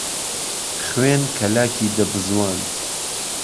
خوێن کهلاکی دهبزواند